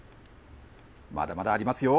まだまだありますよ。